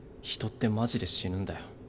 人ってマジで死ぬんだよ。